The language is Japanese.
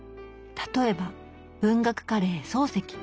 例えば文学カレー「漱石」。